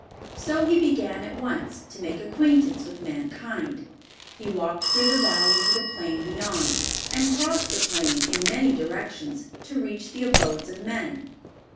So he began at once to make acquaintance with mankind. He walked through the Valley to the plain beyond, and crossed the plain in many directions to reach the abodes of men.